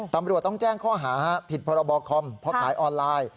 ตำรวจต้องแจ้งข้อหาผิดพรบคอมเพราะขายออนไลน์